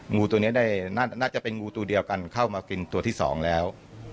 งูตัวนี้ได้น่าจะเป็นงูตัวเดียวกันเข้ามากินตัวที่สองแล้ว